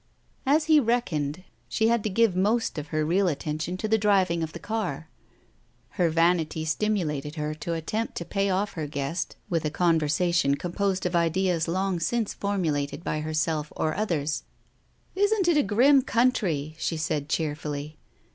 As he reckoned, she had to give most of her real attention to the driving of the car. Her vanity stimu lated her to attempt to pay off her guest with a conversa *> Digitized by Google THE TIGER SKIN 257 tion composed of ideas long since formulated by herself or others. " Isn't it a grim country ?" she said cheerfully.